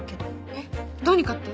えっどうにかって？